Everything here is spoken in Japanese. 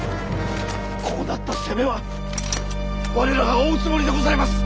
こうなった責めは我らが負うつもりでございます！